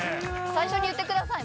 最初に言ってください。